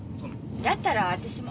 だったら私も。